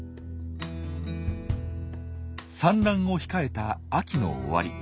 産卵を控えた秋の終わり。